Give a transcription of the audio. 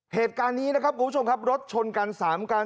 เหตุการณ์นี้นะครับคุณผู้ชมครับรถชนกัน๓คัน